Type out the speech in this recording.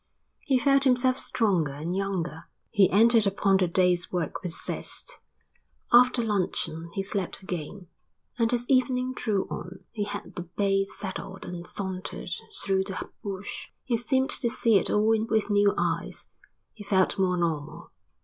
He felt himself stronger and younger. He entered upon the day's work with zest. After luncheon he slept again, and as evening drew on he had the bay saddled and sauntered through the bush. He seemed to see it all with new eyes. He felt more normal.